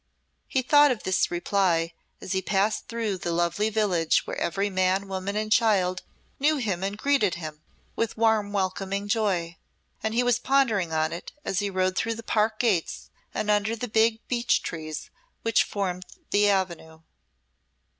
He thought of this reply as he passed through the lovely village where every man, woman, and child knew him and greeted him with warmly welcoming joy, and he was pondering on it as he rode through the park gates and under the big beech trees which formed the avenue.